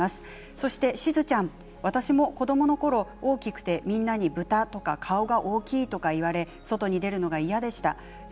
そしてしずちゃん私も子どものころ大きくて豚とか、顔が大きいと言われ外に出るのが嫌でした。